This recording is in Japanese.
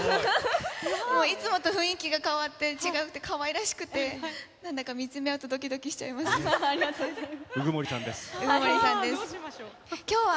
もういつもと雰囲気が変わって、ちがくて、かわいらしくて、なんだか見つめ合うとどきどきしありがとうございます。